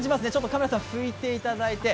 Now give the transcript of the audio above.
カメラさん、拭いていただいて。